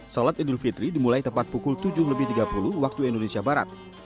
sholat idul fitri dimulai tepat pukul tujuh lebih tiga puluh waktu indonesia barat